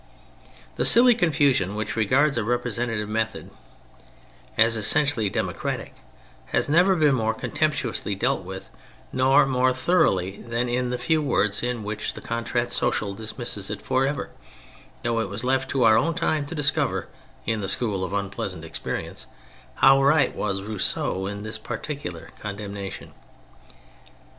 The silly confusion which regards a repre sentative method as essentially democratic has never been more contemptuously dealt with, nor more thoroughly, than in the few words in which the Contrat Social dismisses it for ever; though it was left to our own time to discover, in the school of unpleasant experience, how right was Rousseau in this particular condemnation.